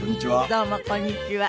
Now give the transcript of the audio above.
どうもこんにちは。